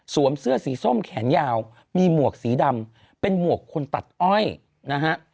เสื้อสีส้มแขนยาวมีหมวกสีดำเป็นหมวกคนตัดอ้อยนะฮะ